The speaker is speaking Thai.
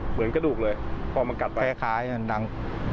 เหมือนกระดูกเลยพอมันกัดไปคล้ายดัง